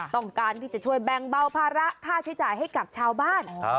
ต้องการที่จะช่วยแบ่งเบาภาระค่าใช้จ่ายให้กับชาวบ้าน